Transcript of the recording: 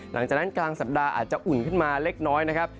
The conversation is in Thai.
หลังจากนั้นกลางสัปดาห์อาจจะอุ่นขึ้นมาเล็กน้อยนะครับ